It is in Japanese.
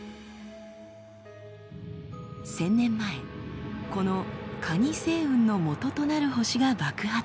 １，０００年前このかに星雲のもととなる星が爆発。